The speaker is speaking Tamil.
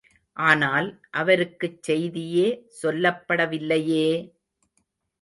ஆனால், அவருக்குச் செய்தியே சொல்லப்படவில்லையே!